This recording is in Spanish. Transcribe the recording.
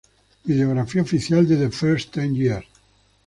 Videografía oficial The First Ten Years